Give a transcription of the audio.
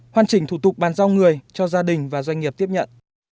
hoàn chỉnh thủ tục bàn giao người cho gia đình và doanh nghiệp tiếp nhận